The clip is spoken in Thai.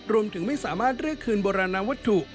รวมถึงไม่สามารถเรียกคืนโบราณวัตถุ